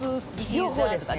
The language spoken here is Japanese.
両方ですね。